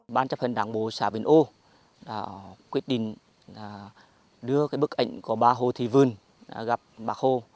ban chấp hận đảng bộ xã miền âu quyết định đưa bức ảnh của bà hồ thị vươn gặp bác hồ